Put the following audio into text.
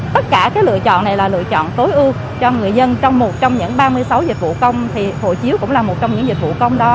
thì hộ chiếu cũng là một trong những dịch vụ công đó